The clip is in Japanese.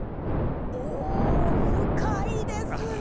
お深いですね。